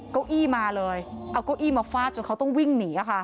เก้าอี้มาเลยเอาเก้าอี้มาฟาดจนเขาต้องวิ่งหนี